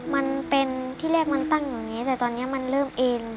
มันเป็นที่แรกมันตั้งอยู่อย่างนี้แต่ตอนนี้มันเริ่มเอ็น